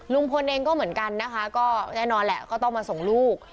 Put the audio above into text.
ลุงพลเองก็เหมือนกันนะคะก็แน่นอนแหละก็ต้องมาส่งลูก